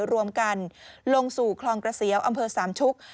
รวมกันลงสู่คลองกระเสียวอำเภอสามชุก